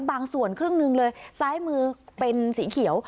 บางส่วนครึ่งหนึ่งเลยซ้ายมือเป็นสีเขียว